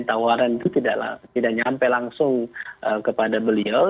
tawaran itu tidak nyampe langsung kepada beliau